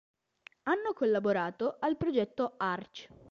Hanno collaborato al progetto arch.